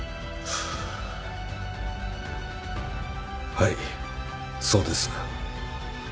はいそうです。